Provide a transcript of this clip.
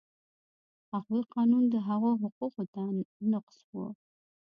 هغوی قانون د هغو حقوقو نقض و.